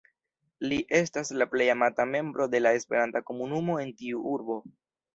Li estas la plej amata membro de la esperanta komunumo en tiu urbo.